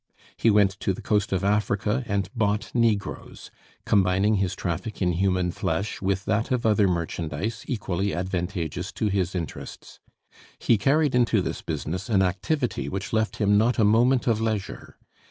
He went to the coast of Africa and bought Negroes, combining his traffic in human flesh with that of other merchandise equally advantageous to his interests. He carried into this business an activity which left him not a moment of leisure.